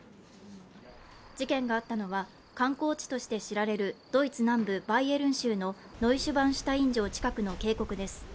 事件があったのは観光地として知られるドイツ南部バイエルン州のノイシュバンシュタイン城近くの渓谷です。